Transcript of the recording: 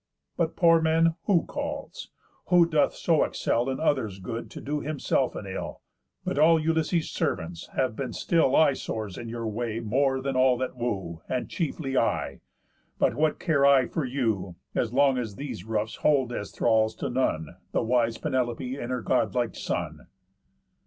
But poor men who calls? Who doth so excell In others' good to do himself an ill? But all Ulysses' servants have been still Eyesores in your way more than all that woo, And chiefly I. But what care I for you, As long as these roofs hold as thralls to none The wise Penelope and her god like son?"